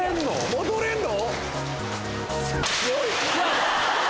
戻れるの？